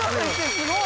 すごい！